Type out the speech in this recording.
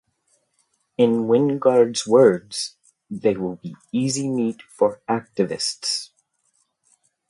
In Wingard's words, They will be easy meat for activists.